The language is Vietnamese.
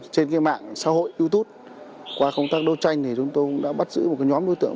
trên mạng xã hội youtube qua công tác đấu tranh chúng tôi đã bắt giữ một nhóm đối tượng